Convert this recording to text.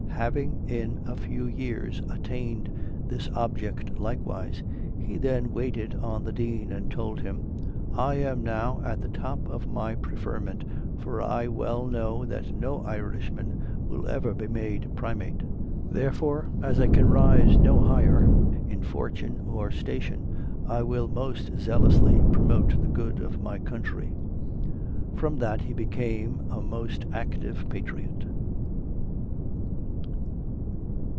Having in a few years attained this object likewise, he then waited on the Dean, and told him, "I am now at the top of my preferment, for I well know that no Irishman will ever be made primate; therefore, as I can rise no higher in fortune or station, I will most zealously promote the good of my country." From that he became a most active patriot.